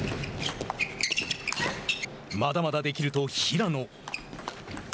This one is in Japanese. まだまだできると、平野。